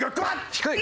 低い！